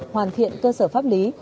hoàn thiện cơ sở pháp lý